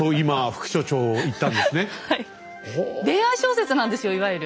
恋愛小説なんですよいわゆる。